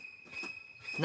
何？